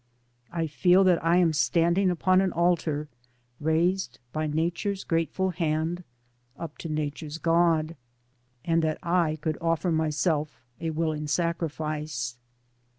I feel that I am standing upon an altar raised by Nature's grateful hand up to Nature's God, and that I could offer myself a willing sacrifice.